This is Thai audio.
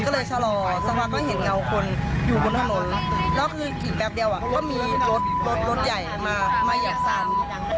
มีค่อนข้างรถใหญ่มาเหยียบซัน